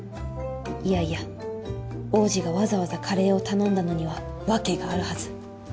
いやいや王子がわざわざカレーを頼んだのには訳があるはず